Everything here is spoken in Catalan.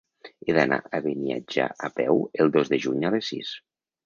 He d'anar a Beniatjar a peu el dos de juny a les sis.